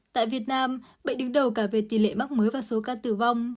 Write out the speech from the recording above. tại việt nam bệnh đứng đầu cả về tỷ lệ mắc mới và số ca tử vong